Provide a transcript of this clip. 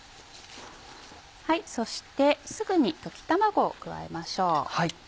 そしてすぐに溶き卵を加えましょう。